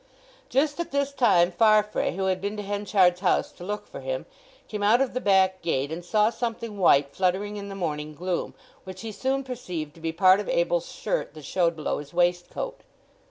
Just at this time Farfrae, who had been to Henchard's house to look for him, came out of the back gate, and saw something white fluttering in the morning gloom, which he soon perceived to be part of Abel's shirt that showed below his waistcoat.